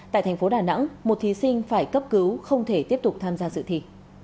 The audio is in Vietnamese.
tại thành phố đà nẵng một thí sinh phải cấp cứu không thể tiếp tục tham gia dự thi